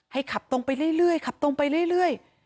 ให้ขับตรงไปเรื่อย